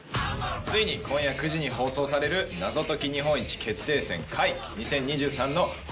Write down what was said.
ついに今夜９時に放送される『謎解き日本一決定戦Ｘ２０２３』の。